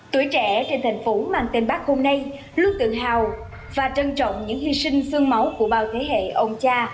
tuổi trẻ trên thành phố mang tên bác hôm nay luôn tự hào và trân trọng những hy sinh sương máu của bao thế hệ ông cha